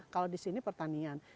kalau di sini pertanian